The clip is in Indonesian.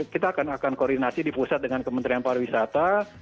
kita akan koordinasi di pusat dengan kementerian pariwisata